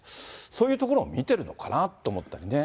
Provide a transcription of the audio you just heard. そういうところを見てるのかなと思ったりね。